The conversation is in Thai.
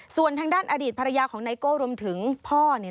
ส่วนทางด้านอดีตภรรยาของไนโก้รวมถึงพ่อ